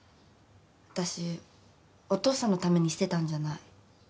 私お父さんのためにしてたんじゃない。